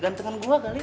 gantengan gue kali